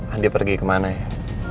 andi pergi kemana ya